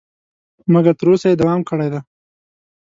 مګر تر اوسه یې دوام کړی دی.